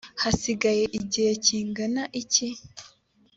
hasigaye igihe kingana iki